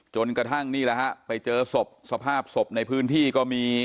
จนกระทั่งนี่แหละฮะไปเจอศพสภาพศพในพื้นที่ก็มี